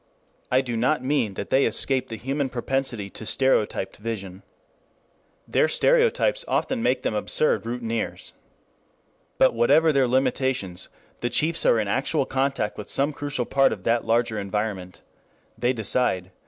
I do not mean that they escape the human propensity to stereotyped vision. Their stereotypes often make them absurd routineers. But whatever their limitations, the chiefs are in actual contact with some crucial part of that larger environment. They decide.